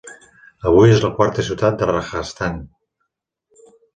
Avui és la quarta ciutat de Rajasthan.